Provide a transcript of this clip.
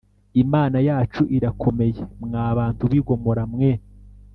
Imana yacu irakomeye mwa bantu b i Gomora mwe